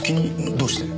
どうして？